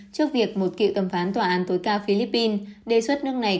trước việc một cựu thẩm phán tòa án tối cao philippines đề xuất nước này